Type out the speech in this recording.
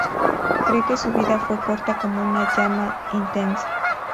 Cree que su vida fue corta como una llama intensa.